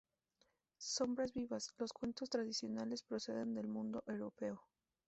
Sombras vivas, los cuentos tradicionales proceden del mundo europeo.